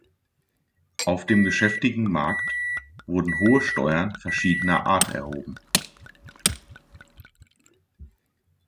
Auf dem geschäftigen Markt wurden hohe Steuern verschiedener Art erhoben.